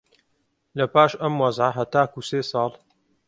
لەپاش ئەم وەزعە هەتاکوو سێ ساڵ